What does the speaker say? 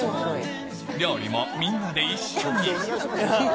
料理もみんなで一緒に。